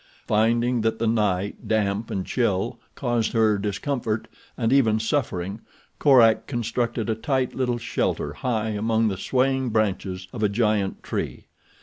Finding that the night damp and chill caused her discomfort and even suffering, Korak constructed a tight little shelter high among the swaying branches of a giant tree.